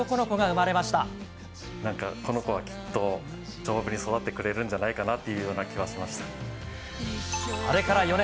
なんか、この子はきっと丈夫に育ってくれるんじゃないかなというような気あれから４年。